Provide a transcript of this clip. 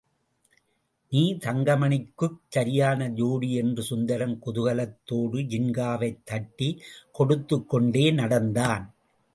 நீ தங்கமணிக்குச் சரியான ஜோடி என்று சுந்தரம் குதூகலத்தோடு ஜின்காவைத் தட்டிக் கொடுத்துக்கொண்டே நடந்தான்.